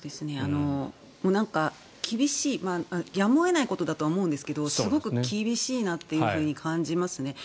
厳しいやむを得ないことだとは思うんですがすごく厳しいなと感じますね。